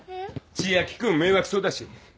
千秋君迷惑そうだし。